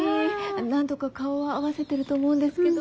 何度か顔は合わせてると思うんですけど。